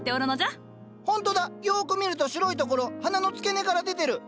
ほんとだよく見ると白いところ花の付け根から出てる。